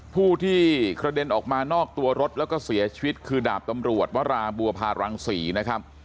ผู้ที่กระเด็นออกมานอกตัวรถแล้วก็เสียชีวิตคือดาบตำรวจวราบัวพารังศรีนะครับ